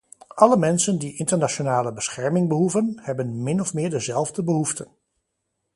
Alle mensen die internationale bescherming behoeven, hebben min of meer dezelfde behoeften.